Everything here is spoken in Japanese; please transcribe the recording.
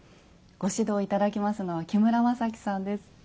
ご指導頂きますのは木村雅基さんです。